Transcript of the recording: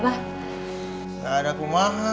enggak ada kumaha